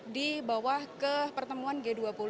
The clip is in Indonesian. dibawa ke pertemuan g dua puluh